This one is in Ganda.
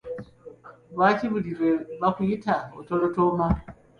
Lwaki buli lwe bakuyita otolotooma?